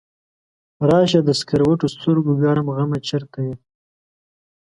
راشه د سکروټو سترګو ګرم غمه چرته یې؟